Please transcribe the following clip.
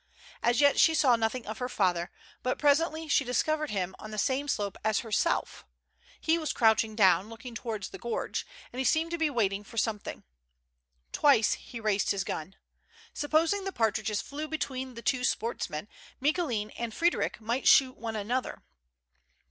As yet she saw nothing of her father, but presently she discovered him on the same slope as herself: he was crouching down, looking towards the gorge, and he seemed to be waiting for something. Twice he raised his gun. Supposing the partridges flew between the two sportsmen, MicouKn and Frederic might shoot one another.